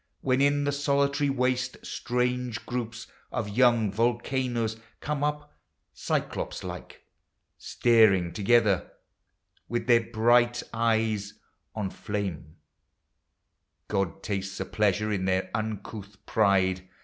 When, in the solitary waste, strange groups Of young volcanos come up, cyclops like, Staring together with their eyes on flame — God tastes a pleasure in their uncouth pride.